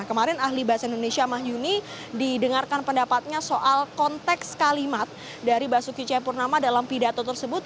kemarin ahli bahasa indonesia mahyuni didengarkan pendapatnya soal konteks kalimat dari basuki cepurnama dalam pidato tersebut